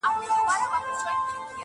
اوس په ساندو كيسې وزي له كابله!!